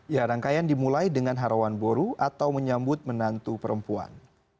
ya rangkaian dimulai dengan harawan boru atau menyambut menantu perempuan